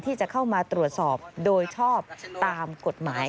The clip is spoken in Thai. ที่จะเข้ามาตรวจสอบโดยชอบตามกฎหมาย